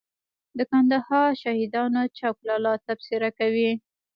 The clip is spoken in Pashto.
د کندهار شهیدانو چوک لالا تبصره کوي.